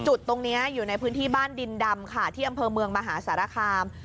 จุดตรงนี้อยู่ในพื้นที่บ้านดินดำค่ะที่อำเภอเมืองมหาสารคาม